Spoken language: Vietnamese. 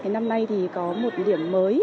năm nay thì có một điểm mới